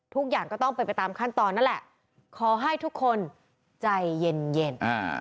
ทุกอย่างก็ต้องเป็นไปตามขั้นตอนนั่นแหละขอให้ทุกคนใจเย็นเย็นอ่า